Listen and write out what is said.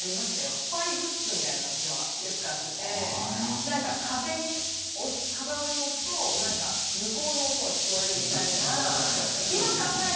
スパイグッズみたいなのをよく買っていて壁に押すと向こうの音が聞こえるみたいな。